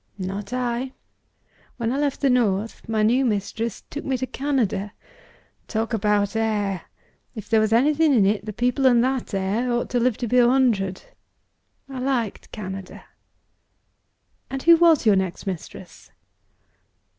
"Not I! When I left the North, my new mistress took me to Canada. Talk about air! If there was anything in it, the people in that air ought to live to be a hundred. I liked Canada." "And who was your next mistress?"